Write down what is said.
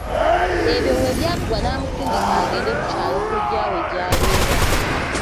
Ebyo webyaggwa n'amusindika agende ku kyalo kojja we gy'abeera.